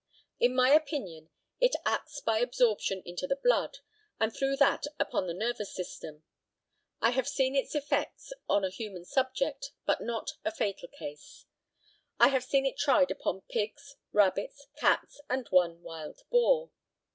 In my opinion, it acts by absorption into the blood, and through that upon the nervous system. I have seen its effects on a human subject, but not a fatal case. I have seen it tried upon pigs, rabbits, cats, and one wild boar.